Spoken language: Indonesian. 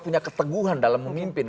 punya keteguhan dalam memimpin